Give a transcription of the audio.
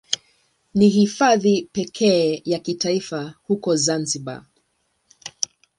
Ni Hifadhi pekee ya kitaifa huko Zanzibar.